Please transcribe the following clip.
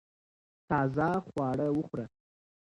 تازه خواړه وخوره